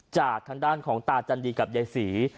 จากทางด้านของตาจันดีกับยายศรี